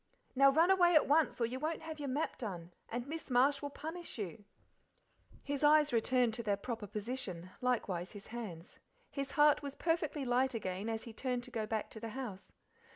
Now run away at once, or you won't have your map done, and miss Marsh will punish you." His eyes returned to their proper position, likewise his hands. His heart was perfectly light again as he turned to go back to the house.